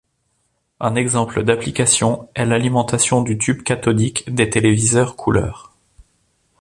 Un exemple d'application est l'alimentation du tube cathodique des téléviseurs couleur.